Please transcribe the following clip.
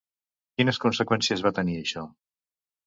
Quines conseqüències va tenir això?